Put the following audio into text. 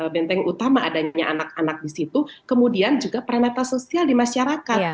benteng utama adanya anak anak di situ kemudian juga peranata sosial di masyarakat